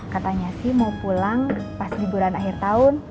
katanya sih mau pulang pas liburan akhir tahun